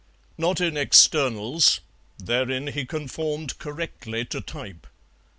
Not in externals; therein he conformed correctly to type.